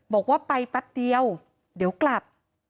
บอกว่าไปแป๊บเดียวเดี๋ยวกลับ